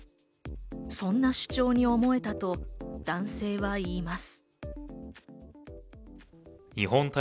そんな主張に思えたと男性は言います。